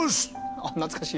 あっ懐かしい。